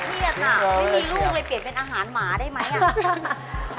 อ่ะไม่มีลูกเลยเปลี่ยนเป็นอาหารหมาได้ไหมอ่ะ